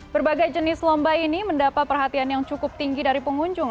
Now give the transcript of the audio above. berbagai jenis lomba ini mendapat perhatian yang cukup tinggi dari pengunjung